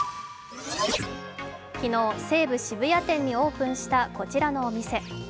昨日、西武渋谷店にオープンしたこちらのお店。